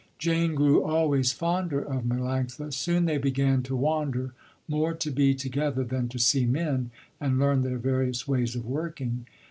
Jane grew always fonder of Melanctha. Soon they began to wander, more to be together than to see men and learn their various ways of working.